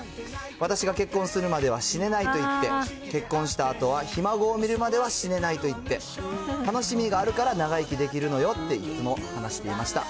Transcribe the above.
私が結婚するまでは死ねないと言って、結婚したあとはひ孫を見るまでは死ねないと言って、楽しみがあるから長生きができるのよって、いつも話していました。